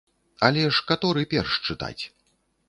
Але ж каторы перш чытаць?